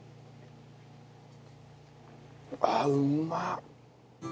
あっうまっ。